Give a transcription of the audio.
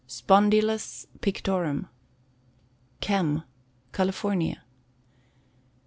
Spondylus Pictorum. Chem. California. No.